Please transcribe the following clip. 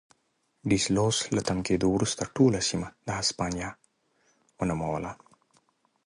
ډي سلوس له تم کېدو وروسته ټوله سیمه د هسپانیا ونوموله.